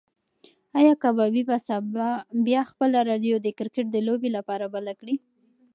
ایا کبابي به سبا بیا خپله راډیو د کرکټ د لوبې لپاره بله کړي؟